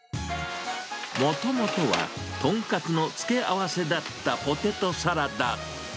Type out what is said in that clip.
もともとは、豚カツの付け合わせだったポテトサラダ。